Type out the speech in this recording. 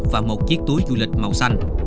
và một chiếc túi du lịch màu xanh